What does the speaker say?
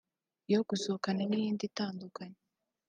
iyo gusohokana n’iyindi itandukanye